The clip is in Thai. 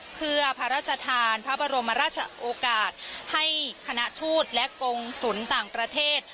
เพื่อพระราชทานพระบรมราชโอกาสให้คณะทูตและกงศูนย์ต่างประเทศ